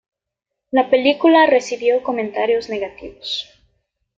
La película recibió comentarios negativos.